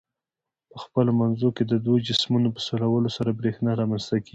په خپلو منځو کې د دوو جسمونو په سولولو سره برېښنا رامنځ ته کیږي.